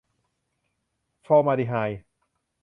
ฟอร์มาลดีไฮด์